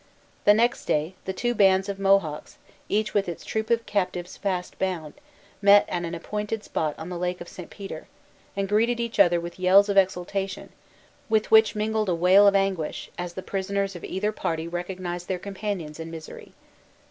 The next day, the two bands of Mohawks, each with its troop of captives fast bound, met at an appointed spot on the Lake of St. Peter, and greeted each other with yells of exultation, with which mingled a wail of anguish, as the prisoners of either party recognized their companions in misery.